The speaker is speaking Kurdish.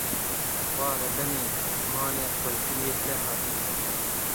Wa, rebenê mane xwezgînîyê te hatine